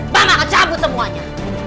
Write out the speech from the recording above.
mama akan cabut semuanya